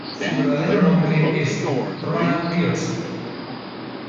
Su verdadero nombre es Ronald Pierce.